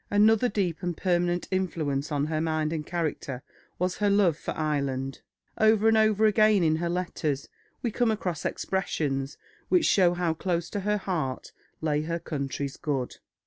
Another deep and permanent influence on her mind and character was her love for Ireland. Over and over again in her letters we come across expressions which show how close to her heart lay her country's good.